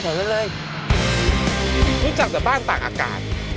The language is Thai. ด้านพูหรอ